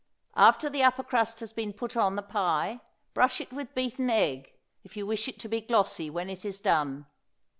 After the upper crust has been put on the pie brush it with beaten egg, if you wish it to be glossy when it is done.